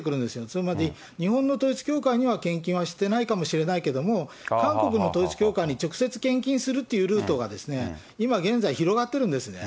つまり日本の統一教会には献金はしてないかもしれないけども、韓国の統一教会に直接献金するっていうルートが、今現在、広がってるんですね。